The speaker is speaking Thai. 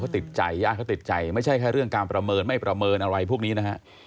ติดใจญาติเขาติดใจไม่ใช่แค่เรื่องการประเมินไม่ประเมินอะไรพวกนี้นะฮะ